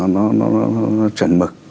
nó trần mực